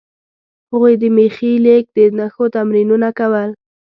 هغوی د میخي لیک د نښو تمرینونه کول.